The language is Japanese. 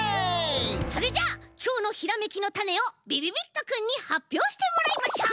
それじゃあきょうのひらめきのタネをびびびっとくんにはっぴょうしてもらいましょう。